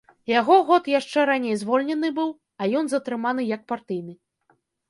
Яго год яшчэ раней звольнены быў, а ён затрыманы як партыйны.